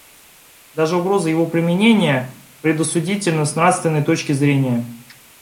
Даже угроза его применения предосудительна с нравственной точки зрения.